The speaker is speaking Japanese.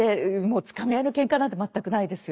つかみ合いのケンカなんて全くないですよ。